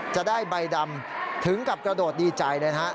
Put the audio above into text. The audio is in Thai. จะได้ใบดำถึงกับกระโดดดีใจเลยนะฮะ